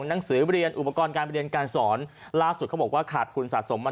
หนังสือเรียนอุปกรณ์การเรียนการสอนล่าสุดเขาบอกว่าขาดทุนสะสมมา